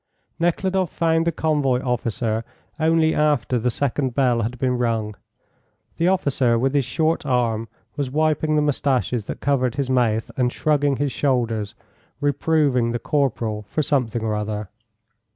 Nekhludoff found the convoy officer only after the second bell had been rung. The officer with his short arm was wiping the moustaches that covered his mouth and shrugging his shoulders, reproving the corporal for something or other.